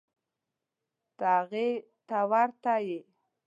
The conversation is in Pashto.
ته هغې ته ورته یې.